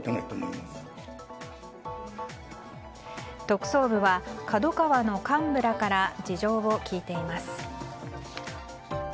特捜部はＫＡＤＯＫＡＷＡの幹部らから事情を聴いています。